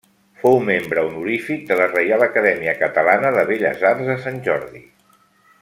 Fou membre honorífic de la Reial Acadèmia Catalana de Belles Arts de Sant Jordi.